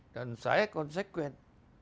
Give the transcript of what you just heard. dan saya konsekuen